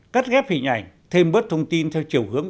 cắt ghép hình ảnh thêm bớt thông tin theo chiều hướng